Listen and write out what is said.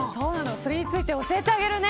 それについて教えてあげるね。